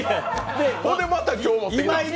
ほんでまた今日持ってきて。